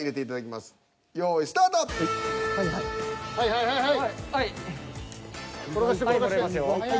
はいはいはい。